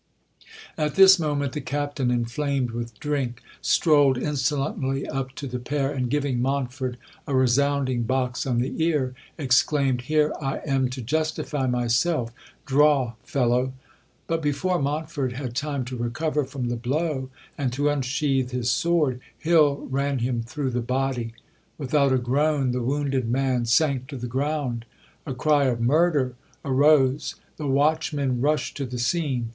At this moment the Captain, inflamed with drink, strolled insolently up to the pair, and, giving Montford a resounding box on the ear, exclaimed, "Here I am to justify myself. Draw, fellow!" But before Montford had time to recover from the blow and to unsheath his sword, Hill ran him through the body. Without a groan the wounded man sank to the ground. A cry of "Murder" arose; the watchmen rushed to the scene.